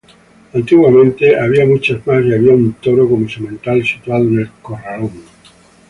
Antiguamente había muchas más y había un toro como semental situado en el corralón.